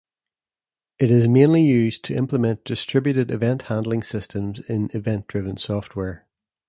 It is mainly used to implement distributed event handling systems, in "event driven" software.